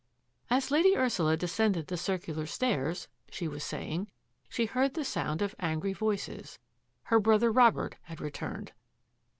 " As Lady Ursula descended the circular stairs," she was saying, ^^ she heard the sound of angry voices. Her brother Robert had returned."